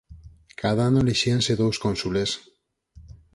Cada ano elixíanse dous cónsules.